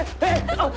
あっ！